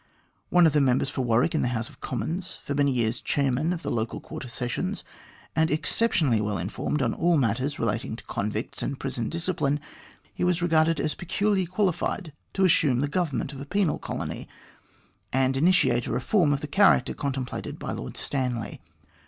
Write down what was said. One of the Members for Warwick in the House of Commons, for many years Chairman of the Local Quarter Sessions, and exceptionally well informed on all matters relating to convicts and prison discipline, he was regarded as peculiarly qualified to assume the government of a penal colony, and initiate a reform of the character contemplated by Lord Stanley.